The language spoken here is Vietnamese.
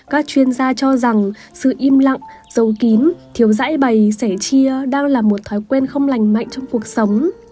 các chuyên gia cho rằng sự im lặng dầu kín thiếu dãi bày sẻ chia đang là một thói quen không lành mạnh trong cuộc sống